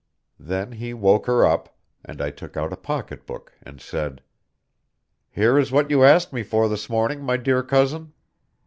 Then he woke her up, and I took out a pocketbook and said: "Here is what you asked me for this morning, my dear cousin."